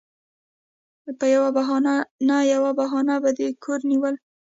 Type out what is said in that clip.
پـه يـوه بهـانـه نـه يـوه بهـانـه دوي پـه کـور کېـنول.